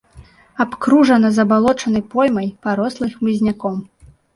Абкружана забалочанай поймай, парослай хмызняком.